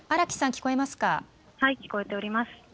聞こえています。